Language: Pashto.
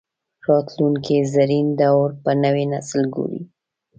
راتلونکي زرین دور به نوی نسل ګوري